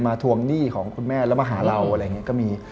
ทวงหนี้ของคุณแม่แล้วมาหาเราอะไรอย่างนี้ก็มี